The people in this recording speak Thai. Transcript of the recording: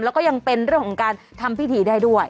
แล้วก็ยังเป็นเรื่องของการทำพิธีได้ด้วย